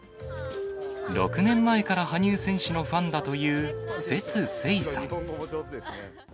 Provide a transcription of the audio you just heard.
６年前から羽生選手のファンだという薛晴さん。